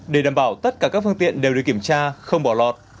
để đảm bảo tất cả các phương tiện đều được kiểm tra không bỏ lọt